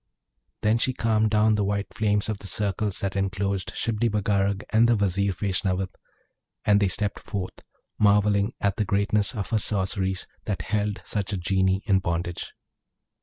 Then she calmed down the white flames of the circles that enclosed Shibli Bagarag and the Vizier Feshnavat, and they stepped forth, marvelling at the greatness of her sorceries that held such a Genie in bondage.